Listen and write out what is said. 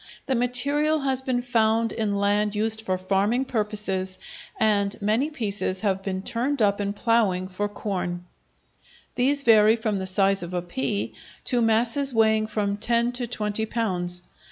The material has been found in land used for farming purposes, and many pieces have been turned up in ploughing for corn; these vary from the size of a pea to masses weighing from ten to twenty pounds.